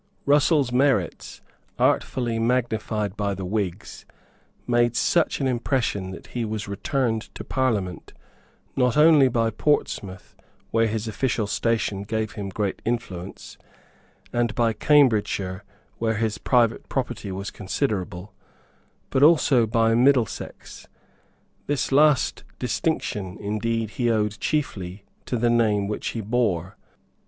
Russell's merits, artfully magnified by the Whigs, made such an impression that he was returned to Parliament not only by Portsmouth where his official situation gave him great influence, and by Cambridgeshire where his private property was considerable, but also by Middlesex. This last distinction, indeed, he owed chiefly to the name which he bore.